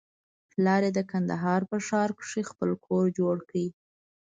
پلار يې د کندهار په ښار کښې خپل کور جوړ کړى.